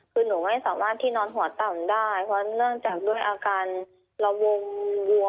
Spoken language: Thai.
คือหนูไม่สามารถที่นอนหัวต่ำได้เพราะเนื่องจากด้วยอาการระวงวัว